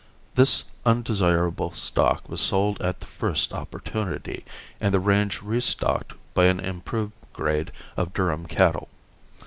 This undesirable stock was sold at the first opportunity, and the range re stocked by an improved grade of Durham cattle.